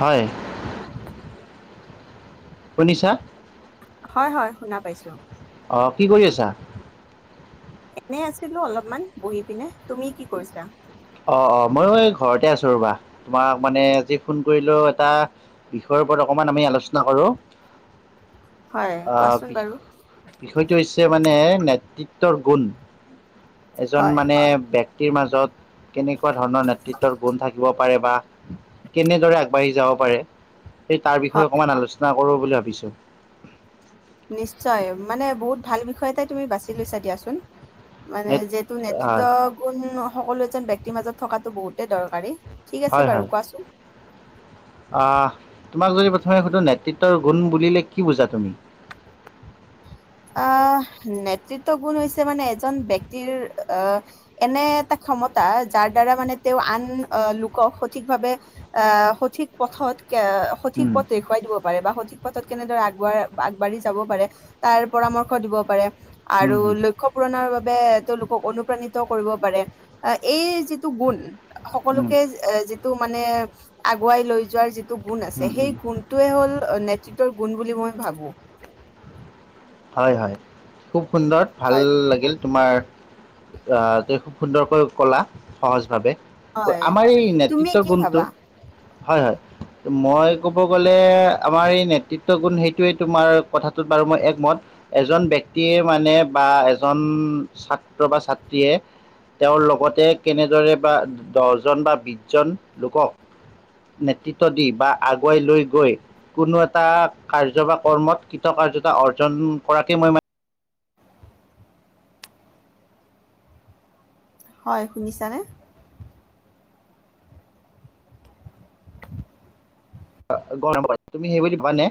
হয়। শুনিছা? হয় হয় শুনা পাইছো। অঁ কি কৰি আছা? এনে আছিলো অলপমান বহি পিনে তুমি কি কৰিছা। অঁ অঁ মইও ঘৰতে আছো ৰবা, তোমাক মানে আজি ফোন কৰিলেোও এটা বিষয়। ওপৰত অকমান আমি আলোচনা কৰো। হয় আহ কোৱাচোন বাৰু বিষয়টো হৈছে মানে। নেতৃত্বৰ গুণ, এজন হয় মানে ব্যক্তিৰ মাজত কেনেক' ধৰণৰ নেতৃত্বত গুণ থাকিব পাৰে বা, কেনেদৰে আগবাঢ়ি যাব পাৰে। সেই তাৰ বিষয়ে হয় অকমান আলোচনা কৰো বুলি ভাবিছো। নিশ্চয়, মানে বহুত ভাল বিষয়টাই তুমি বাছি লৈছা দিয়াচোন। মানে নে যিহেতু নেতৃত্ব হয় গুণ সকলো এজন ব্যক্তিৰ মাজত থকাটো বহুতে দৰকাৰী। ঠিক আছে হয় হয় বাৰু কোৱাচোন। আহ, তোমাক যদি প্ৰথমে সুধো নেতৃত্বৰ গুণ বুলিলে কি বুজা তুমি। অ, নেতৃত্ব গুণ হৈছে মানে এজন ব্যক্তিৰ অ এনে এটা। ক্ষমতা, যাৰ দ্বাৰা মানে তেওঁ আন লোকক সঠিক ভাৱে আহ সঠিক পথত। সঠিক উম পথ দেখুৱাই দিব পাৰে, বা সঠিক পথত কেনেদৰে আগবঢ় আগবাঢ়ি যাব পাৰে। তাৰ পৰামৰ্শ দিব পাৰে, উম আৰু উম লক্ষ্ পূৰণৰ বাবে তেওঁলোকক অনুপ্ৰাণিত। কৰিব পাৰে এই যিটো গুণ উম সকলোকে। মানে আগুৱাই লৈ যোৱাৰ যিটো গুণ উম আছে উম সেই গুণটোয়ে হ'ল নেতৃত্বৰ। গুণ বুলি মই ভাবোঁ। হয় হয়, খুব সুন্দৰ ভাল হয় লাগিল তোমাৰ। আহ, খুব সুন্দৰকৈ কলা সহজ ভাৱে। হয় আমাৰ এই তুমি নেতৃত্ব কি গুণটো, ভাবা? হয় হয়। মই ক'ব গ'লে আমাৰ এই নেতৃত্ব গুণ সেইটোোৱেই তোমাৰ কথাটোত বাৰু মই একমত। এজন ব্যক্তিয়ে মানে বা, এজন ছাত্ৰ বা ছাত্ৰীয়ে। তেওঁৰ লগতে কেনেদৰে বা দহজন বা বিশ জন লোকক। নেতৃত্ব দি, বা আগুৱাই লৈ গৈ। কোনো এটা কাৰ্য বা কৰ্মত কৃতকাৰ্যতা অৰ্জন কৰাকে মই মান। হয় শুনিছানে? তুমি সেইবুলি কোৱা নে।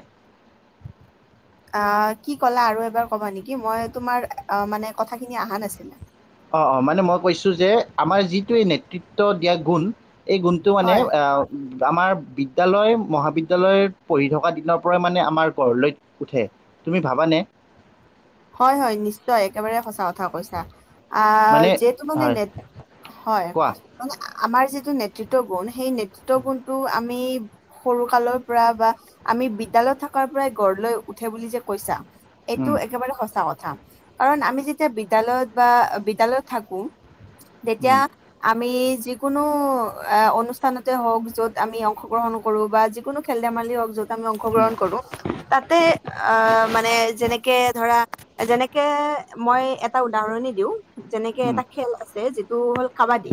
আহ কি ক'লা আৰু এবাৰ কবা নেকি, মই তোমাৰ মানে কথাখিনি অহা নাছিলে। অ অ, মানে মই কৈছো যে আমাৰ যিটোৱে নেতৃত্ব দিয়া গুণ। এই গুণটো মানে হয়, অ। আমাৰ বিদ্যালয় মহাবিদ্যালয়ত পঢ়ি থকা দিনৰ পৰাই মানে আমাৰ ঘৰলৈ উঠে। তুমি ভাবানে? হয় হয় নিশ্চয় একেবাৰে সঁচা কথা কৈছা আ মানে যিতটো মানে হয় নেত হয় কোৱা মানে আমাৰ যিটো নেতৃত্ব গুণ সেই নেতৃত্ব গুণটো আমি। সৰু কালৰ পৰা বা আমি বিদ্যয়ালয়ত থকাৰ পৰাই গঢ় লৈ উঠে বুলি যে কৈছা। এইটো উম, একেবাৰে কথা সঁচা কাৰণ আমি যেতিয়া বিদ্যালয়ত বা বিদ্যালয়ত থাকো তেতিয়া উম, আমি যিকোনো অনুষ্ঠানতে হওক য'ত আমি অংশগ্ৰহণ কৰোঁ বা যিকোনো খেল ধেমালি হওক য'ত উম, অংশগ্ৰহণ কৰো তাতে অ মানে যেনেকে ধৰা যেনেকে মই এটা উদাহৰণি দিওঁ যেনেকে উম, এটা খেল আছে তটো হ'ল কাবাডী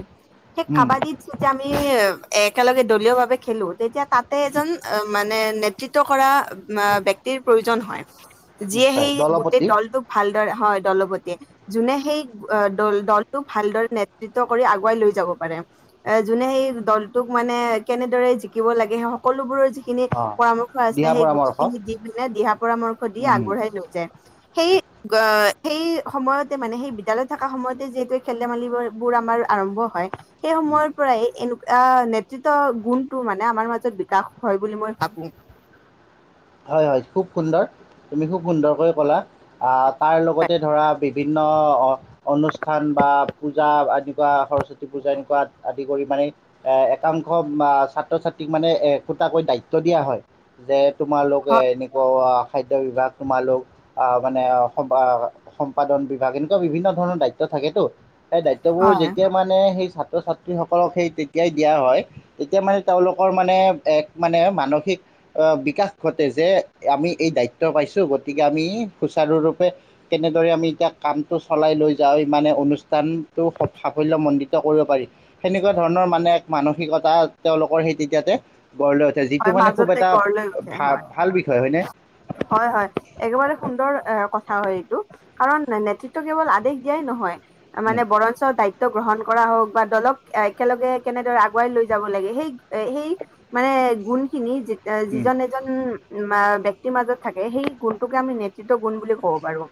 সেই উম, কাবাডীত যেতিয়া আমি একেলগে দলীয় ভাৱে খেলো তেতিয়া তাতে এজন মানে নেতৃত্ব কৰা ব্যক্তিৰ প্ৰয়োজন হয় যিয়ে নিশ্চয় সেই গোটেই দলপতি দলটোক ভাল হয় দলপতিয়ে যোনে সেই দ দলটোক ভালদৰে নেতৃত্ব কৰি আগুৱাই লৈ যাব। যোনে সেই দলটোক মানে কেনেদৰে জিকিব লাগে সকলোবোৰ যিখিনি অঁ পৰামৰ্শ আছে দিহা সেই গোটেই পৰামৰ্শ খিনি দি মানে দিহা পৰামৰ্শ দি আগবঢ়াই লৈ যায়। সেই হয়। সেই সময়তে মানে সেই বিদ্যালয়ত থকা সময়তে যিহেতু খেল ধেমালি বোৰ আমাৰ আৰম্ভ হয়। সেই সময়ৰ পৰাই এনেকা। এ নেতৃত্ব গুণটো মানে আমাৰ মাজত বিকাশ হয় বুলি মই ভাবো। হয় হয় খুব সুন্দৰ, তুমি খুব সুন্দৰকৈ কলা। তাৰ লগতে ধৰা বিভিন্ন অনুষ্ঠান বা পূজা এনেকুৱা, সৰস্বতী পূজা এনেকুৱা আদি কৰি মানে এ একাংশ ছাত্ৰ -ছাত্ৰীক মানে একোটাকৈ দায়িত্ব দিয়া হয়। যে, তোমালোকে হয় এনেকুৱা, খাদ্য বিভাগ, তোমালোক আহ মানে সম্পাদন বিভাগ, এনেকুৱা বিভিন্ন ধৰণৰ দায়িত্ব - থাকেটো। সেই দায়িত্ববোৰ হয় যেতিয়া মানে স- তো ছাত্ৰীসকলক সেই তেতিয়াই দিয়া হয়, তেতিয়া মানে তেওঁলোকৰ মানে এক মানে মানসিক বিকাশ, ঘটে। যে, আমি এই দায়িত্ব পাইছোঁ, গতিকে আমি সুচাৰুৰূপে কেনেদৰে আমি এতিয়া কামটো চলাই লৈ যাওঁ, মানে অনুষ্ঠানটো সাফল্য মণ্ডিত কৰিব পাৰি। সেনেকুৱা ধৰণৰ মানে এক মানসিকতা তেওঁলোকৰ সেই তেতিয়াতে গঢ় লৈ উঠে। যিটো হয় মানে খুব মাজতে এটা গঢ় লৈ উঠে ভা ভাল বিষয় হয়নে হয় হয়, একেবাৰে সুন্দৰ এ ক - হয় এইটো, কাৰণ নেতৃত্ব কেৱল আদেশ দিয়াই নহয় উম, মানে বৰঞ্চ দায়িত্ব- গ্ৰহণ কৰা হওক বা দলক একেলগে কেনেদৰে আগুৱাই লৈ যাব লাগে সেই সেই মানে গুণ খিনি উম, যিজন এজন, মাজত থাকে, সেই গুণটোকে আমি নেতৃত্ব গুণ বুলি ক'ব পাৰো।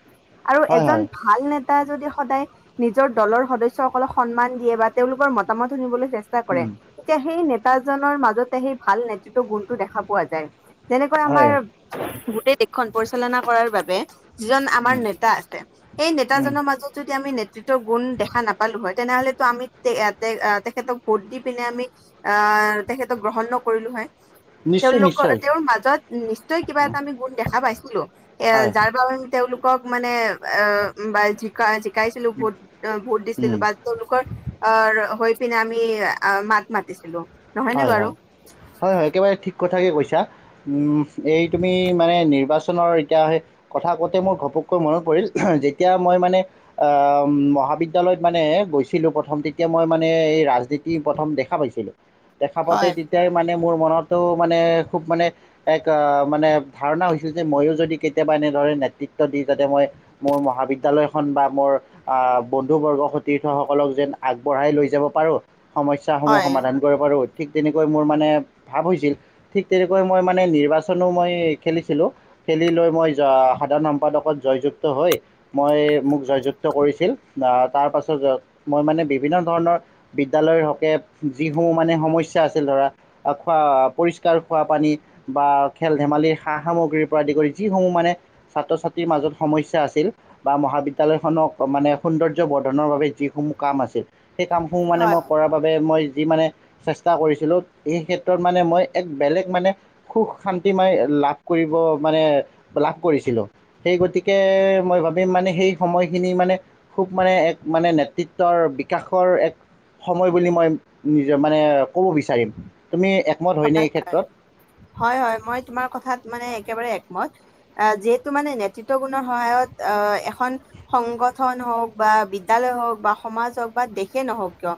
আৰু হয় এজন হয় ভাল ন- তাই যদি সদায় নিজৰ দলৰ সদস্যসকলক সন্মান দিয়ে বা তেওঁলোকৰ মতামত শুনিবলৈ, চেষ্টা কৰে। উম, তেতিয়া সেই নেতাজনৰ মাজতে সেই ভাল নেতৃত্ব গুণটো দেখা পোৱা যায়। যেনেকৈ হয় আমাৰ গোটেই দেশখন পৰিচালনা কৰাৰ বাবে, যিজন আমাৰ উম, নেতা আছে, সেই উম, নেতাজনৰ মাজত যদি আমি ন - গুণ দেখা নাপালো হয়, তেনেহলেতো আমি তে তেখেতক ভোট দি পিনে আমি আহ - তেখেতক গ্ৰহণ নকৰিলো হয়। নিশ্চয় তেওঁলোকৰ নিশ্চয় তেওঁৰ মাজত নিশ্চয় কিবা উম, এটা আমি গুণ দেখা পাইছিলোটো। এ হয় যাৰ বাবে তেওঁলোকক মানে আহ বা জিকা - শিকাইছিলো, ভোট ভোট দিছিলো উম, বা তেওঁলোকৰ আহ হৈ- পিনে আমি মাত মাতিছিলো। নহয়নে হয় বাৰু হয় হয় হয় একেবাৰে ঠিক - কথাকে কৈছা। এই তুমি মানে নিৰ্বাচনৰ এতিয়া সেই কথা কওঁতে মোৰ ঘপ- পকৈ মনত পৰিল, যেতিয়া মই মানে মহাবিদ্যালয়ত মানে গৈছিলোঁ প্ৰথম মই মানে ৰাজনীতি প্ৰথম দেখা পাইছিলোঁ, দেখা তাতে হয় কি - ম ম মান মান ম ম [unintelligible] নেতৃত্ব দি যাতে মই মোৰ মহাবিদ্য়ালয়খন বা মোৰ আহ বন্ধু বৰ্গৰ স- সকলক যেন আগবঢ়াই লৈ যাব পাৰো, সমস্যাসমূহ হয় সমাধান কৰিব পাৰো। ঠিক তেনেকৈ মোৰ মানে ভাৱ হৈছিল। ঠিক তেনেকৈ মই মানে নিৰ্বাচনো মই খেলিছিলোঁ। খেলি লৈ মই সাধাৰণ সম্পাদকত জয়যুক্ত হৈ মই মোক জয়যুক্ত কৰিছিল। তাৰপাছত মই মানে বিভিন্ন ধৰণৰ বিদ্যালয়ৰ হকে যিসমূহ মানে সম- ধ খ পৰিষ্কাৰ খোৱা পানী বা খেল -ধেমালী, সা -সামগ্ৰী পৰা, যিসমূহ মানে ছাত্ৰ ছাত্ৰীৰ মাজত সমস্যা আছিল বা মহাবিদালয়খনক মে সুন্দৰ- বৰ্ধনৰ বাবে যিসমূহ কাম আছিল, সেই কামসমূহ মানে হয় মই কৰাৰ বাবে মই যি মে- চষ্টা কৰিছিলোঁ। এই ক্ষেত্ৰত মানে মই এক বেলেগ মানে সুখ শান্তি মই লাভ কৰিব- মানে লাভ কৰিছিলোঁ। সেই গতিকে মই ভাবিম মানে সেই সময়খিনি মানে খুব- খুব মানে এক মানে নেতৃত্বৰ বিকাশৰ এক সময় বুলি মই নিজৰ মানে - ক'ব বিচাৰিম। তুমি একমত হয়নে এই ক্ষেত্ৰত? হয় হয় মই তোমাৰ কথাত মানে একেবাৰে একমত। যিহেতু মানে নেতৃত্ব গুণৰ সহায়ত অ এখন সংগঠন - হওক বা বিদ্যালয় হওক বা সমাজ হওক বা দেশে নহওক কিয়,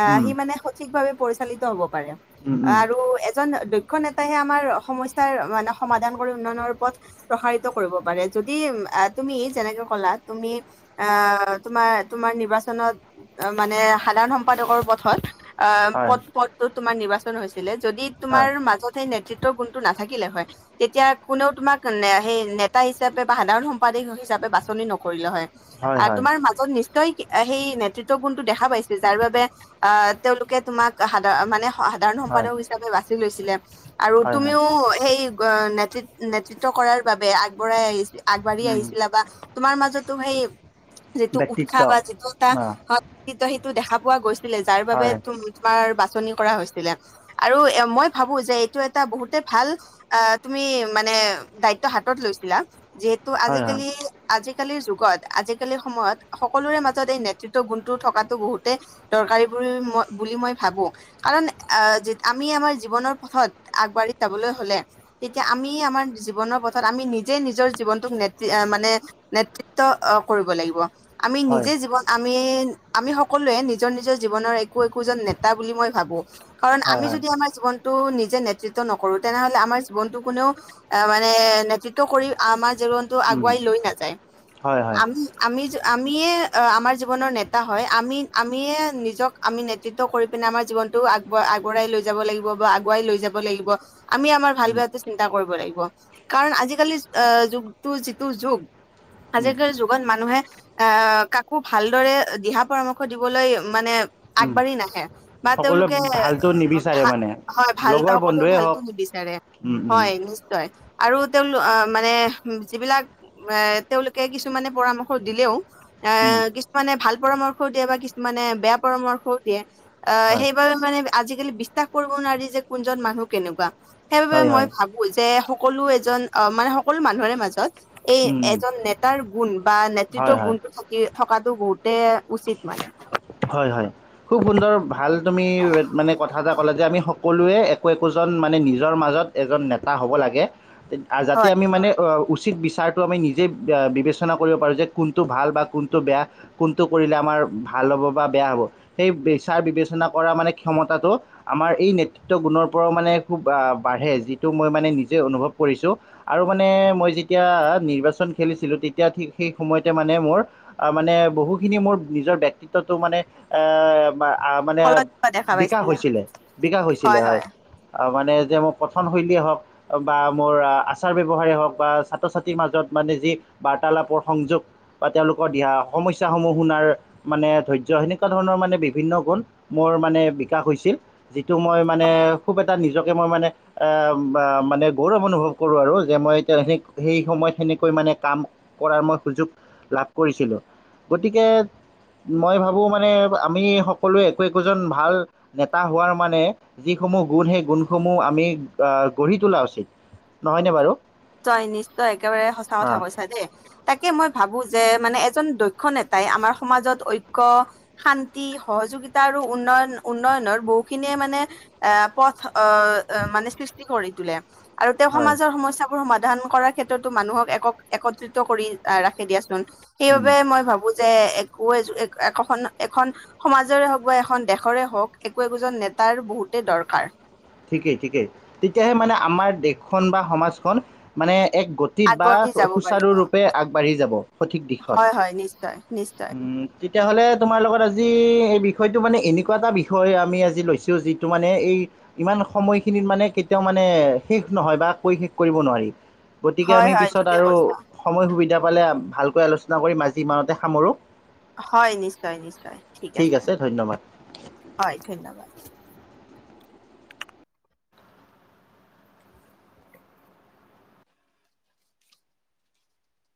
আহ উম, সি মানে সঠিক ভাৱে পৰিচালিত হব পাৰে। উম, উম, আৰু এজন নেতাহে আমাৰ সমস্যাৰ মানে সমাধান কৰি উন্নয়নৰ উপৰত প্ৰসাৰিত কৰিব পাৰে। যদি আহ তুমি যেনেকে কলা, তুমি অ তোমাৰ তোমাৰ নিৰ্বাচনত মানে সাধাৰণ সম্পাদকৰ পথত, অ হয় পথ পথটো তোমাৰ নিৰ্বাচন হৈছিলে। যদি তোমাৰ হয় মাজত সেই যিটো গুণটো নাথাকিলে হয় তেতিয়া কোনেও তোমাক নে সেই নেতা হিচাপে বা সাধাৰণ সম্পাদিক হিচাপে বাছনি নকৰিলে হয় হয় আ হয় তোমাৰ মাজত নি সেই নেতৃত্ব গুণতটো দেখা পাইছিল যাৰ বাবে আহ তেওঁলোকে তোমাক সাধাৰণ মানে সাধাৰণ হয় সম্পাদক হিচাপে বাচি লৈছিলে আৰু হয় হয় তুমিও সেই অ নেত নেতৃত্ব কৰাৰ বাবে আগবঢ়াই আহিছে আগবাঢ়ি উম, আহিছিলা বা তোমাৰ মাজতো সেই যিটো উৎসা ব্যক্তিত্ব বা যিটো তা অঁ হস্তিত্ব তটো দেখা পোৱা গৈছিলে যাৰ বাবে হয় তম তোমাৰ বাছনি কৰা হৈছিলে আৰু এ মই ভাবো যে এইটো এটা বহুতে ভাল আহ তুমি মানে দায়িত্ব সা হাতত লৈছিলা যিহেতু হয় হয় আজিকালি আজিক আজিকালিৰ যুগত আজিকালিৰ সময়ত সকলোৰে মাজত এই নেতৃত্ব গুণতো থকাটো বহুতে দৰকাৰী বো ম বুলি মই ভাবো কাৰণ আহ যিত আমি আমাৰ জীৱনৰ পথত আগবাঢ়ি যাবলৈ হলে তেতিয়া আমি আমাৰ জীৱনৰ পথত আমি নিজে নিজৰ জীৱনটোক নেত মানে নেতৃত্ব কৰিব লাগিব আমি হয় নিজে জীৱন আমি আমি সকলোৱে নিজৰ নিজৰ জীৱনৰ একো একোজন নেতা বুলি মই ভাবো কাৰণ হয় আমি হয় যদি আমাৰ জীৱনটো নিজ যে নেতৃত্ব নকৰো তেনেহলে আমাৰ জীৱনতটো কোনেও মানে নেতৃত্ব কৰি আমাৰ জীৱনটো উম, আগুৱাই লৈ নাযায় হয় হয় আমি আমি আমিয়ে আমাৰ জীৱনৰ নেতা হয় আমি আমিয়ে নিজক আমি নেতৃত্ব কৰি পিনে আমাৰ জীৱনতটো আগ বা আগুৱাই লৈ যাব লাগিব বা আগুৱাই লৈ যাব লাগিব আমি আমাৰ ভাল উম, বটো চিন্তা কৰিব লাগিব কাৰণ আজিকালি আহ যুগটো যিটো যুগ উম, আজিকালিৰ যুগত মানুহে আহ কাকো ভালদৰে দিহা পৰামৰ্শ দিবলৈ মানে উম। আগবাঢ়ি নাহে বা সকলোৱে তেওঁলোক ভ ভালটো নিবিচাৰে মানে হয় ভাল লগৰ সকলোৰে বন্ধুৱে হওক ভালতো নিবিচাৰে উম উম হয় নিশ্চয় আৰু তেওঁলোক মানে যিবিলাক এ তেওঁওলোকে কিছুমানে পৰামৰ্শ দিলেও এ উম কিছুমানে ভাল পৰামৰ্শও দিয়ে বা কিছুমানে বেয়া পৰামৰ্শও দিয়ে আহ হয় সেই আজিকালি বিশ্বাস কৰিব নোৱাৰি যে কোনজন মানুহ কেনেকুৱা সেইবাবে হয় হয় মই ভাবো যে সকলো এজন অ মানে সকলো মানুহৰে মাজত এই উম উম এজন নেতাৰ গুণ বা হয় নেতৃত্বৰ হয় গুণটো থাকি থকাতটো বহুতে উচিত মানে হয় হয় খুব সুন্দৰ ভাল তুমি মানে কথা এটা ক'লে যে আমি সকলোৱে একো একোজন মানে নিজৰ মাজত এজন নেতা হ'ব লাগে যাতে হয় আমি মানে অ উচিত বিচাৰটো আমি নিজেই বিবেচনা কৰিব পাৰোঁ যে কোনটো ভাল বা কোনটো বেয়া কোনটো কৰিলে আমাৰ মাৰ ভাল হ'ব বা বেয়া হ'ব সেই বিচাৰ বিবেচনা কৰা মানে ক্ষমতাটো আমাৰ এই নেতৃত্ব গুণৰ পৰাও মানে [unintelligible] খেলিছিলো তেতিয়া সেই সময় মানে মোৰ মানে বহু খিনি মোৰ নিজৰ ক্ষেত্ৰতো মানে এ মানে আ ফলত কিবা দেখা বিকাশ পাইছিলা হৈছিলে বিকাশ হৈছিলে হয় মানে যে মোৰ কথনশৈলীয়ে হওক বা মোৰ আচাৰ ব্যৱহাৰেেই হওক বা ছাত্ৰ ছাত্ৰীৰ মাজত মানে যি বাৰ্তালাপৰ সংযোগ বা তেওঁলোকৰ দিহা সমস্যাসমূহ শুনাৰ মানে ধৈৰ্য সেনেকুৱা ধৰণৰ মানে বিভিন্ন গুণ মোৰ মানে বিকাশ হৈছিল যিটো মই মানে খুব এ নিজকে মই মানে এ মানে আ গৌৰৱ অনুভৱ কৰো আৰু যে মই এতিয়া সেই সময় তেনেকৈ মানে কাম কৰা মই সুযোগ লাভ কৰিছিলো গতিকে মই ভাবোঁ মানে আমি সকলোৱে একো একোজন ভাল নেতা হোৱাৰ মানে যিসমূহ গুণ সেই গুণসমূহ আমি গঢ়ি তোলা উচিত নহয়নে বাৰু নিশ্চয় নিশ্চয় একেবাৰে সঁচা কথা অঁ কৈছা দেই তাকে মই ভাবো যে মানে এজন দক্ষ নেতাই আমাৰ সমাজত ঐক্য শান্তি সহযোগিতা আৰু উন্নয়ন উন্ন খনৰ বহু খিনিয়ে মানে পদ অ মানে সৃষ্টি কৰি তোলে আৰু তেওঁ হয় সমাজৰ সমস্যা সমাধান কৰাৰ ক্ষেত্ৰতো মানুহক একক একত্ৰিত কৰি আহ ৰাখি দিয়াচোন। উম, সেইবাবে মই ভাবো যে এক একোখন এখন সমাজৰে হওক বা এখন দেশৰে হওক একো একোজন নেতা তাৰ বহুতে দৰকাৰ। ঠিকেই ঠিকেই। তেতিয়াহে মানে আমাৰ দেশখন বা সমাজখন মানে এক গতিত বা আগবাঢ়ি যাব পাৰিব সুচাৰুৰূপে আগবাঢ়ি যাব সঠিক দিশত হয় হয় নিশ্চয় নিশ্চয়। উ তেতিয়াহ'লে তোমাৰ লগত আজি এই বিষয়টো মানে এনেকুৱা এটা বিষয় আমি আজি লৈছো যিটো মানে এই ইমান সময়খিনিত মানে কেতিয়াও মানে শেষ নহয় বা কৈ শেষ কৰিব নোৱাৰি। গতিকে হয় আমি হয় পিছত ঠিকে আৰু কৈছা সময় সুবিধা পালে ভালকৈ আলোচনা কৰিম আজি ইমানতে সামৰোঁ। হয় নিশ্চয় নিশ্চয় ঠিক আছে। হয় ধন্যবাদ।